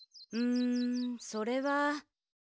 んそれは。